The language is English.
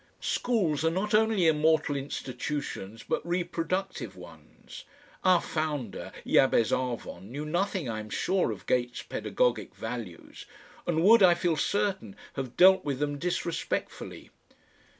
Schools are not only immortal institutions but reproductive ones. Our founder, Jabez Arvon, knew nothing, I am sure, of Gates' pedagogic values and would, I feel certain, have dealt with them disrespectfully.